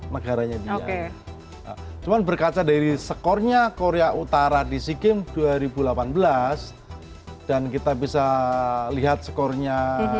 negaranya oke cuman berkaca dari skornya korea utara di sikkim dua ribu delapan belas dan kita bisa lihat skornya